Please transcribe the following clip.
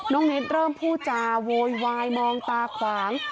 เน็ตเริ่มพูดจาโวยวายมองตาขวาง